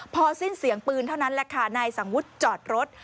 พอสิ้นเสียงปืนเท่านั้นแหละค่ะนายสังวุฒิจอดรถ